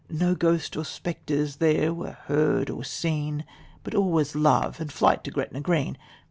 No ghosts or spectres there were heard or seen, But all was love and flight to Gretna green.